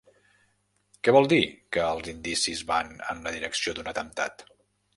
Què vol dir que els indicis van en la direcció d'un atemptat?